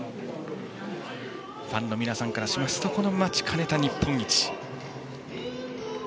ファンの皆さんからすると待ちかねた日本一。